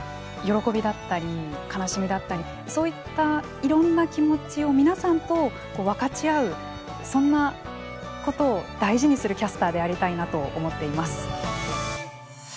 喜びだったり悲しみだったりそういったいろんな気持ちを皆さんと分かち合うそんなことを大事にするキャスターでありたいなと思っています。